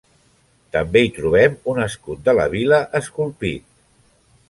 També hi trobem un escut de la vila esculpit.